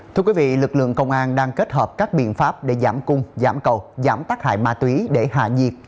thưa quý vị lực lượng công an đang kết hợp các biện pháp để giảm cung giảm cầu giảm tắc hại ma túy để hạ nhiệt